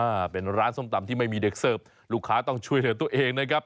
อ่าเป็นร้านส้มตำที่ไม่มีเด็กเสิร์ฟลูกค้าต้องช่วยเหลือตัวเองนะครับ